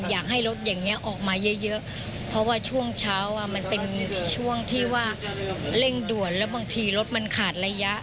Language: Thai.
อยากให้รถอย่างนี้ออกมาเยอะเพราะว่าช่วงเช้ามันเป็นช่วงที่ว่าเร่งด่วนแล้วบางทีรถมันขาดระยะ